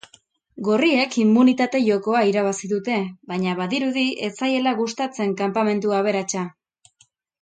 Gorriek immunitate jokoa irabazi dute, baina badirudi ez zaiela gustatzen kanpamentu aberatsa.